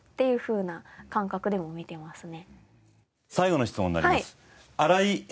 最後の質問になります。